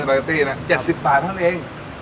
๗๐บาทเท่าเร็ง